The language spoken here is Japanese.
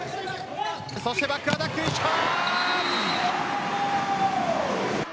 そしてバックアタック、石川。